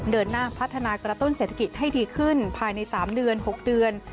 เดินหน้าพัฒนากระตุ้นเศรษฐกิจให้ดีขึ้นภายใน๓เดือน๖เดือน